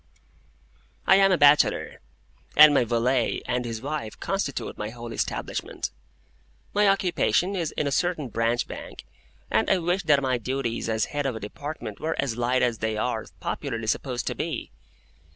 I am a bachelor, and my valet and his wife constitute my whole establishment. My occupation is in a certain Branch Bank, and I wish that my duties as head of a Department were as light as they are popularly supposed to be.